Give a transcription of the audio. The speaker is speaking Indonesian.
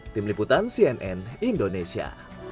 tim liputan cnn indonesia